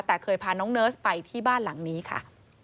แต่เคยพาน้องเนิร์สไปที่บ้านหลังนี้ค่ะ